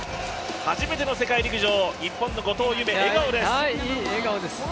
初めての世界陸上、日本の後藤夢、笑顔です。